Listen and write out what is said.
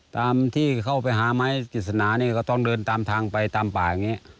ตามที่เข้าไปหาไม้กิจสนานี่ก็ต้องเดินตามทางไปตามป่าอย่างนี้